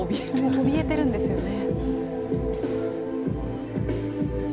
おびえてるんですよね。ね。